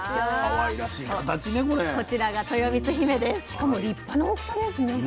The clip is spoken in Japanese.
しかも立派な大きさですね。